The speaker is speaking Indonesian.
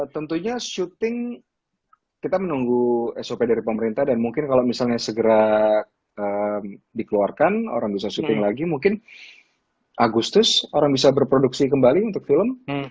tentunya syuting kita menunggu sop dari pemerintah dan mungkin kalau misalnya segera dikeluarkan orang bisa syuting lagi mungkin agustus orang bisa berproduksi kembali untuk film